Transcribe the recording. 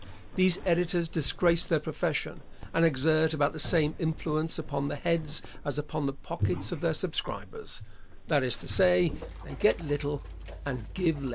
These editors disgrace their profession and exert about the same influence upon the heads as upon the pockets of their subscribers that is to say, they get little and give less.